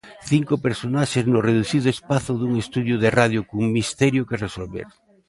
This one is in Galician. Cinco personaxes no reducido espazo dun estudio de radio cun misterio que resolver.